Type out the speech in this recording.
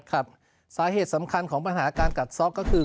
ครับสาเหตุสำคัญของปัญหาการกัดซ็อกก็คือ